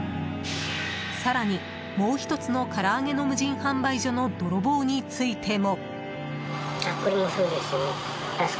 更に、もう１つのから揚げの無人販売所の泥棒についても。